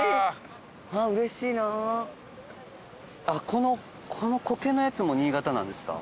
このコケのやつも新潟なんですか？